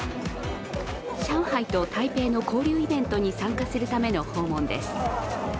上海と台北の交流イベントに参加するための訪問です。